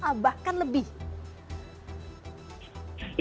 atau bahkan lebih